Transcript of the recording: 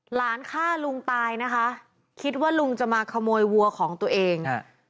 หลานฆ่าลุงตายนะคะคิดว่าลุงจะมาขโมยวัวของตัวเองฮะ